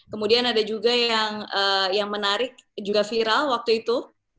kemudian ada juga yang menarik juga viral waktu itu